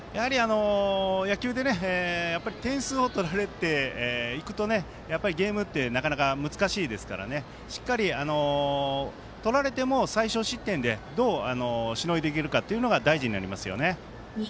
野球って点数を取られていくとゲームって難しいですからしっかり取られても最少失点でどうしのいでいけるかが大事になりますよね。